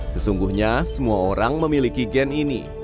sesungguhnya semua orang memiliki gen ini